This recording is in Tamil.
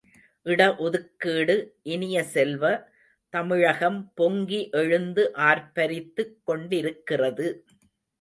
இட ஒதுக்கீடு இனிய செல்வ, தமிழகம் பொங்கி எழுந்து ஆர்ப்பரித்து கொண்டிருக்கிறது.